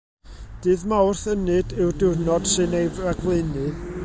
Dydd Mawrth Ynyd yw'r diwrnod sy'n ei ragflaenu.